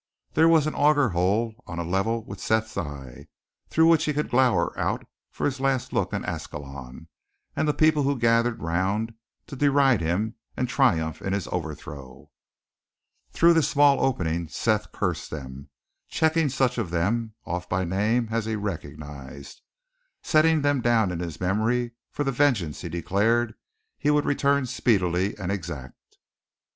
There was an auger hole on a level with Seth's eye, through which he could glower out for his last look on Ascalon, and the people who gathered around to deride him and triumph in his overthrow. Through this small opening Seth cursed them, checking such of them off by name as he recognized, setting them down in his memory for the vengeance he declared he would return speedily and exact.